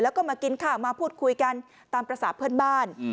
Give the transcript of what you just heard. แล้วก็มากินข้าวมาพูดคุยกันตามภาษาเพื่อนบ้าน